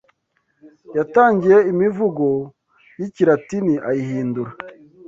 yatangiye imivugo y’ikilatini ayihindura